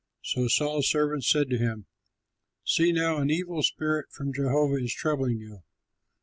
So Saul's servants said to him, "See now, an evil spirit from Jehovah is troubling you.